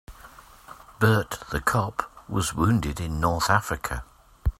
Bert the cop was wounded in North Africa.